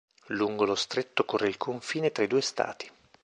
Lungo lo stretto corre il confine tra i due stati.